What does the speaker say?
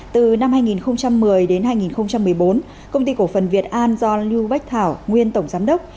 từ năm hai nghìn một mươi đến hai nghìn một mươi bốn công ty cổ phần việt an do lưu bách thảo nguyên tổng giám đốc